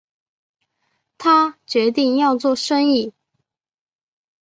他决定要做生意